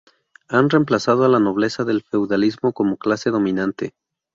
Han reemplazado a la nobleza del feudalismo como clase dominante.